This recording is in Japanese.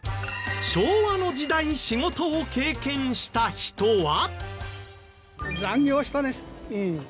昭和の時代仕事を経験した人は？